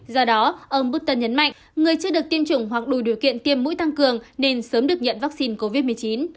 do đó ông busta nhấn mạnh người chưa được tiêm chủng hoặc đủ điều kiện tiêm mũi tăng cường nên sớm được nhận vaccine covid một mươi chín